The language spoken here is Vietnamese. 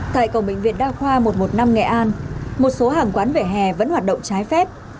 tại cổng bệnh viện đa khoa một trăm một mươi năm nghệ an một số hàng quán vẻ hè vẫn hoạt động trái phép